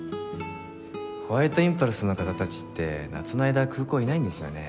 ホワイトインパルスの方たちって夏の間は空港いないんですよね。